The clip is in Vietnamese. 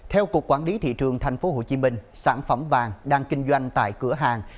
theo cục quản lý thị trường tp hcm sản phẩm vàng đang kinh doanh tại cửa hàng